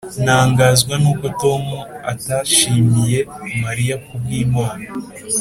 ntangazwa nuko tom atashimiye mariya kubwimpano.